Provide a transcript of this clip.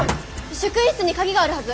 職員室に鍵があるはず！